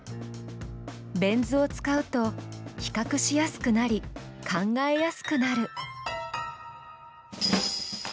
ベン図を使うと比較しやすくなり考えやすくなる。